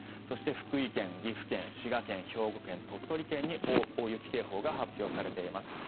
そして福井県、岐阜県、滋賀県兵庫県、鳥取県に大雪警報が発表されています。